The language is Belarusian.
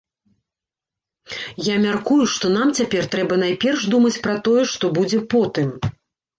Я мяркую, што нам цяпер трэба найперш думаць пра тое, што будзе потым.